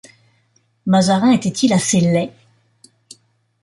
Mazarin était-il assez laid!